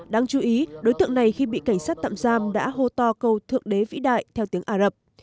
đáng chú ý đối tượng này khi bị cảnh sát tạm giam đã hô to thượng đế vĩ đại theo tiếng ả rập